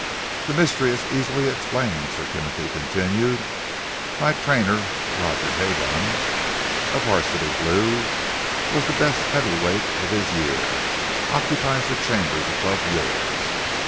"The mystery is easily explained," Sir Timothy continued. "My trainer, Roger Hagon, a Varsity blue, and the best heavyweight of his year, occupies the chambers above yours.